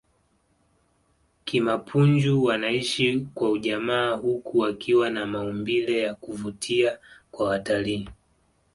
kimapunju wanaishi kwa ujamaa huku wakiwa na maumbile ya kuvutia kwa watalii